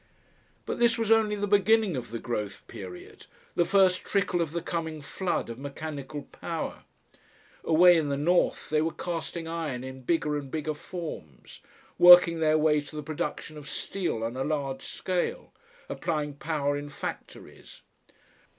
But this was only the beginning of the growth period, the first trickle of the coming flood of mechanical power. Away in the north they were casting iron in bigger and bigger forms, working their way to the production of steel on a large scale, applying power in factories.